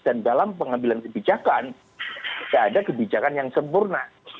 dan dalam pengambilan kebijakan tidak ada kebijakan yang sempurna